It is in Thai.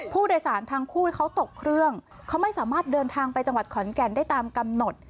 ผู้โดยสารทั้งคู่เขาตกเครื่องเขาไม่สามารถเดินทางไปจังหวัดขอนแก่นได้ตามกำหนด